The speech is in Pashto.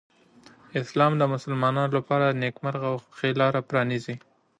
اسلام د مسلمانانو لپاره د نېکمرغۍ او خوښۍ لاره پرانیزي.